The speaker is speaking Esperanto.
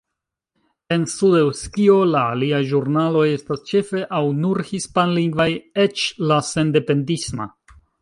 En Sud-Eŭskio, la aliaj ĵurnaloj estas ĉefe aŭ nur hispanlingvaj, eĉ la sendependisma.